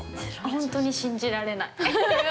本当に信じられない。